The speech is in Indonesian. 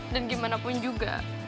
dan gimana pun juga